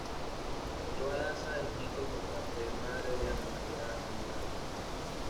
Ochoa Daza es nieto por parte de madre de Ana María Daza Morales.